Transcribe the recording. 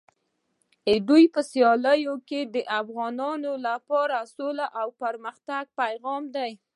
د دوی په سیالیو کې د افغانانو لپاره د سولې او پرمختګ پیغام دی.